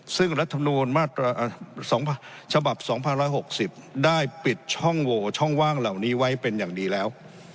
ซึ่งรัฐมนูลมาตรา๒ฉบับ๒๖๐ได้ปิดช่องโหวช่องว่างเหล่านี้ไว้เป็นอย่างดีแล้ว